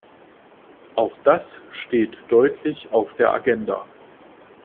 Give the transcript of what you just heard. Auch das steht deutlich auf der Agenda.